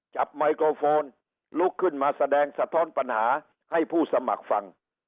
ไมโครโฟนลุกขึ้นมาแสดงสะท้อนปัญหาให้ผู้สมัครฟัง